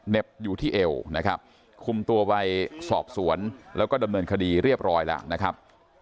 อยู่ที่เอวนะครับคุมตัวไปสอบสวนแล้วก็ดำเนินคดีเรียบร้อยแล้วนะครับ